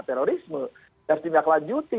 terorisme harus tindak lanjuti